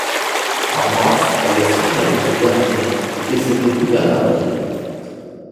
En mars, elle signe avec ce dernier et fait ses débuts en avril.